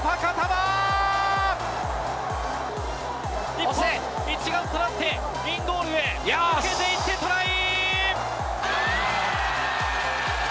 日本、一丸となって、メインゴールへ抜けていって、トライ！